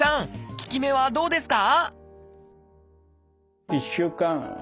効き目はどうですか？